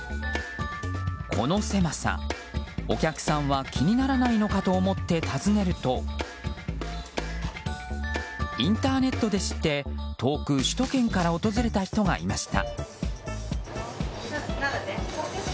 この狭さ、お客さんは気にならないのかと思って訪ねるとインターネットで知って、遠く首都圏から訪れた人がいました。